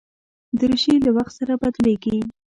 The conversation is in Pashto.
دریشي له وخت سره بدلېږي.